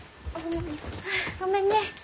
あごめんね。